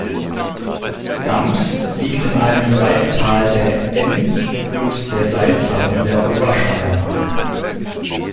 Gams liegt in einem Seitental der Enns und der Salza in der Obersteiermark.